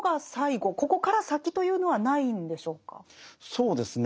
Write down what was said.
そうですね